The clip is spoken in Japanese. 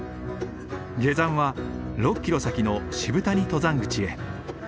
下山は６キロ先の渋谷登山口へ。